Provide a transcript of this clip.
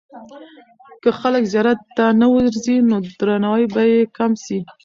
که خلک زیارت ته نه ورځي، نو درناوی به یې کم سي.